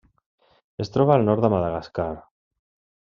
Es troba al nord de Madagascar.